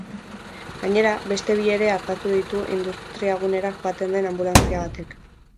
Gainera, beste bi ere artatu ditu industrigunera joan den anbulantzia batek.